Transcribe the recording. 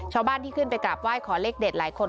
ชาวบ้านที่ขึ้นไปกราบไหว้ขอเลขเด็ดหลายคน